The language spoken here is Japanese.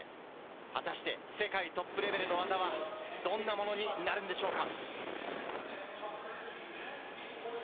果たして、世界トップレベルの技はどんなものになるんでしょうか。